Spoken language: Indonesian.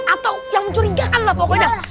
atau yang mencurigakan lah pokoknya